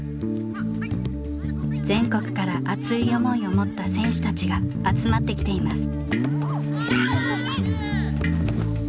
全国から熱い思いを持った選手たちが集まってきています。